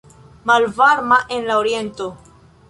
Malvarma en la oriento.